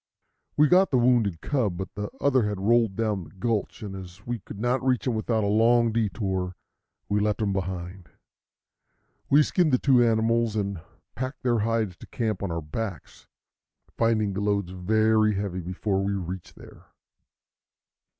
We got the wounded cub, but the other had rolled down the gulch; and as we could not reach him without a long detour, we left him behind. We skinned the two animals and packed their hides to camp on our backs, finding the loads very heavy before we reached there.